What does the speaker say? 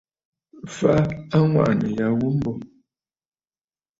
Fa aŋwàʼànə̀ ya ghu mbô.